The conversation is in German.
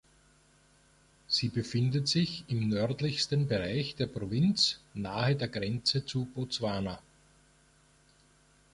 Sie befindet sich im nördlichsten Bereich der Provinz nahe der Grenze zu Botswana.